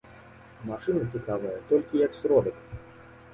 Машына цікавая толькі як сродак.